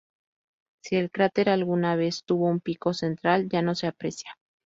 Si el cráter alguna vez tuvo un pico central, ya no se aprecia.